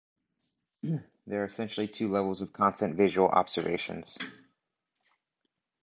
There are essentially two levels of constant visual observations.